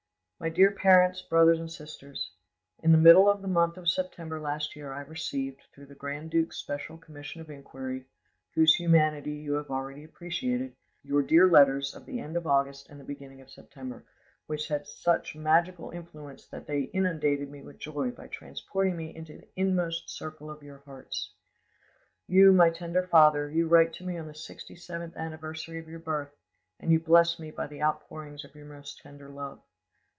"MY DEAR PARENTS, BROTHERS, AND SISTERS,— "In the middle of the month of September last year I received, through the grand duke's special commission of inquiry, whose humanity you have already appreciated, your dear letters of the end of August and the beginning of September, which had such magical influence that they inundated me with joy by transporting me into the inmost circle of your hearts. "You, my tender father, you write to me on the sixty seventh anniversary of your birth, and you bless me by the outpouring of your most tender love.